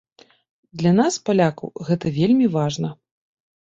Для нас, палякаў, гэта вельмі важна.